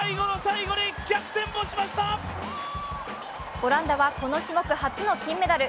オランダはこの種目初の金メダル。